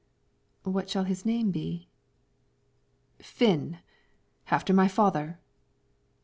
"What shall his name be?" "Finn, after my father."